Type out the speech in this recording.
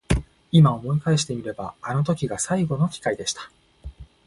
今思い返してみればあの時が最後の機会でした。